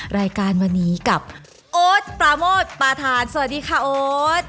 รายการวันนี้กับโอ๊ตปราโมทประธานสวัสดีค่ะโอ๊ต